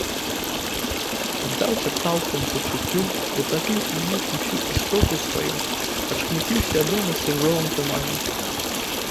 Аддаўся цалком пачуццю, утапіў у ім усю істоту сваю, ачмуціў свядомасць ружовым туманам.